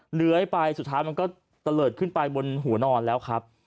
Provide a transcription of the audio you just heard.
เหลือให้ไปสุดท้ายมันก็เตลิดขึ้นบนหัวนอนแล้ว